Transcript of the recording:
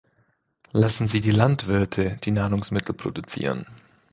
Lassen Sie die Landwirte die Nahrungsmittel produzieren.